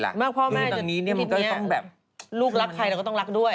มากพ่อแม่ตอนนี้เนี่ยมันก็ต้องแบบลูกรักใครเราก็ต้องรักด้วย